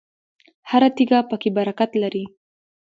هره تیږه پکې برکت لري.